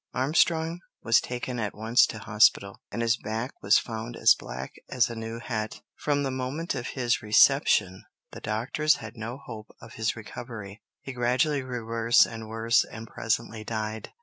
Armstrong was taken at once to hospital, and his back was found "as black as a new hat." From the moment of his reception the doctors had no hope of his recovery; he gradually grew worse and worse, and presently died.